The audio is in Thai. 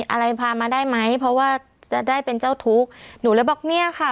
อะไรพามาได้ไหมเพราะว่าจะได้เป็นเจ้าทุกข์หนูเลยบอกเนี้ยค่ะ